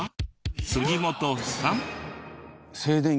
杉本さん。